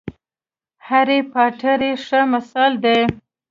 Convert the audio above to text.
هرې پاټر یې ښه مثال دی.